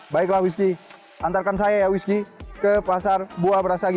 baiklah whisky antarkan saya whisky ke pasar buah brastagi